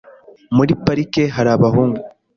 Muri parike hari abahungu .